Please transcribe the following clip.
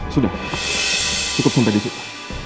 sudah cukup sampai disitu